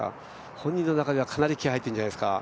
本人の中ではかなり気合いが入っているんじゃないですか。